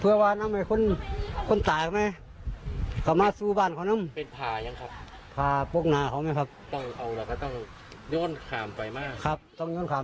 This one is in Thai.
พี่ครับดูทงแบบนี้มันคือวิธีอะไรอ่ะครับแบบนี้ครับเขาแล้วต้องเข้าตรงมาทำเวทีแบบนี้นะครับ